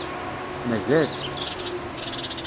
Mazal!